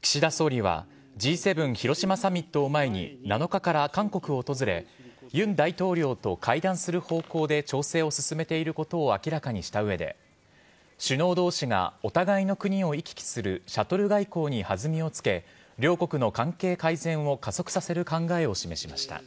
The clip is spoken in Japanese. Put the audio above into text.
岸田総理は、Ｇ７広島サミットを前に、７日から韓国を訪れ、ユン大統領と会談する方向で調整を進めていることを明らかにしたうえで、首脳どうしがお互いの国を行き来するシャトル外交にはずみをつけ、両国の関係改善を加速させる考えを示しました。